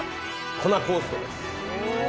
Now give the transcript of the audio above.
コナコーストです。